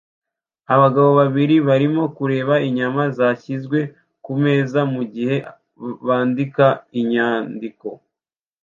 Abagabo babiri barimo kureba inyama zashyizwe kumeza mugihe bandika inyandiko